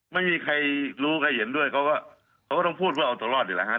ไม่มีใครรู้ใครเห็นด้วยเขาก็เขาก็ต้องพูดว่าเอาตัวรอดนี่แหละฮะ